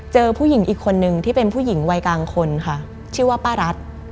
เจอผู้หญิงอีกคนนึงที่เป็นผู้หญิงวัยกลางคนค่ะชื่อว่าป้ารัฐ